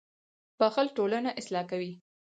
• بښل ټولنه اصلاح کوي.